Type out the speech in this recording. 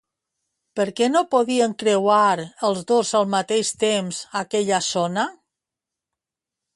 Per què no podien creuar els dos al mateix temps aquella zona?